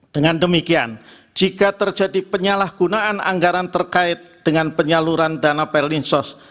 dengan demikian jika terjadi penyalahgunaan anggaran terkait dengan penyusunan program perlinsos